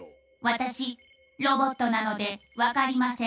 私ロボットなので分かりません。